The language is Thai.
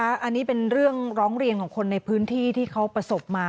อันนี้เป็นเรื่องร้องเรียนของคนในพื้นที่ที่เขาประสบมา